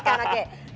kekinian masa depan